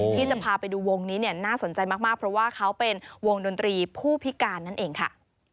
ที่จะพาไปดูวงนี้เนี่ยน่าสนใจมากเพราะว่าเขาเป็นวงดนตรีผู้พิการนั่นเองค่ะ